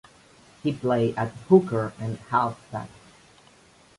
He played at hooker and halfback.